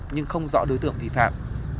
nhưng không rõ đối tượng vi phạm